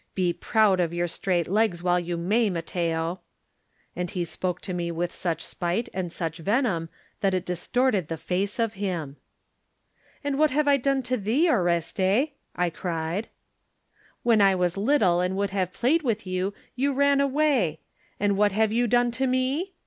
Be proud of your straight legs while you may, Matteo." And he spoke to me with such spite and such venom that it distorted the face of him. "And what have I done to thee, Oreste?'* I cried. "When I was little and would have played with you, you ran away. And what have you done to me?"